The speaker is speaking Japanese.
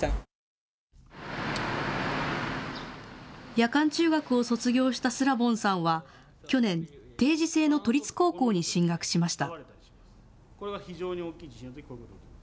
夜間中学を卒業したスラボンさんは去年、定時制の都立高校に進学しました。